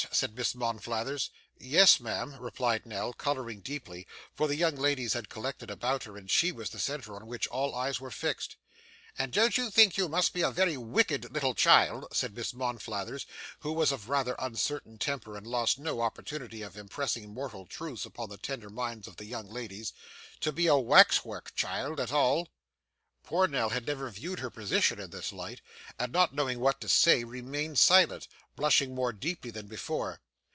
said Miss Monflathers. 'Yes, ma'am,' replied Nell, colouring deeply, for the young ladies had collected about her, and she was the centre on which all eyes were fixed. 'And don't you think you must be a very wicked little child,' said Miss Monflathers, who was of rather uncertain temper, and lost no opportunity of impressing moral truths upon the tender minds of the young ladies, 'to be a wax work child at all?' Poor Nell had never viewed her position in this light, and not knowing what to say, remained silent, blushing more deeply than before.